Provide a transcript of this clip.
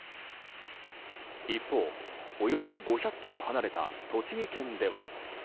一方、およそ５００ｋｍ離れた栃木県では。